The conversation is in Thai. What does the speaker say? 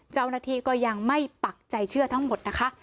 เจ้าหน้าที่ก็ยังไม่ปักใจเชื่อทั้งหมดนะคะ